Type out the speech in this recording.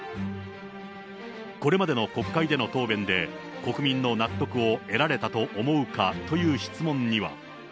これまでの国会での答弁で、国民の納得を得られたと思うかという質問には。